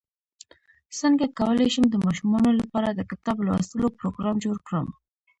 څنګه کولی شم د ماشومانو لپاره د کتاب لوستلو پروګرام جوړ کړم